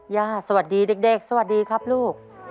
สวัสดีเด็กสวัสดีครับลูก